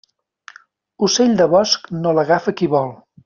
Ocell de bosc no l'agafa qui vol.